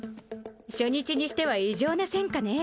初日にしては異常な戦果ね